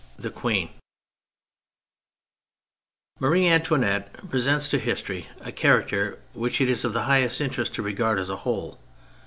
THE QUEEN Marie Antoinette presents to history a character which it is of the highest interest to regard as a whole.